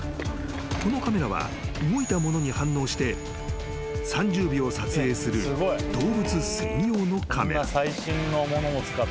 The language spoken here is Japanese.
［このカメラは動いたものに反応して３０秒撮影する動物専用のカメラ］